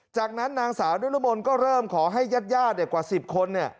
จากนั้นนางสาวนิรมนธ์ก็เริ่มขอให้ยัดยาดเนี่ยกว่าสิบคนเนี่ย